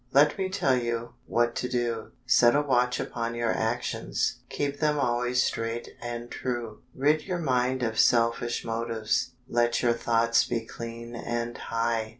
Let me tell you what to do. Set a watch upon your actions, Keep them always straight and true. Rid your mind of selfish motives, Let your thoughts be clean and high.